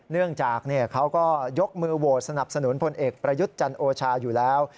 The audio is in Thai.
เนื่องจากเขาก็ยกมือโหวตสนับสนุนพลเอกประยุทธ์จันโอชาอยู่แล้ว